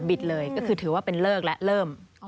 เลยก็คือถือว่าเป็นเลิกและเริ่ม